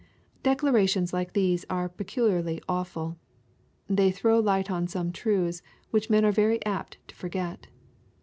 Declarations like these are peculiarly awful. They throw light on some truths which men are very apt to forget.